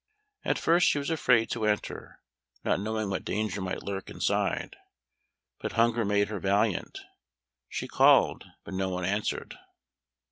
At first she was afraid to enter, not knowing what danger might lurk inside, but hunger made her valiant. She called, but no one answered.